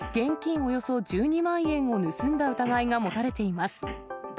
およそ１２万円を盗んだ疑いが持たれています。